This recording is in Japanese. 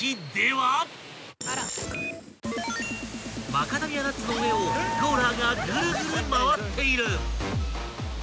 ［マカダミアナッツの上をローラーがぐるぐる回っている！］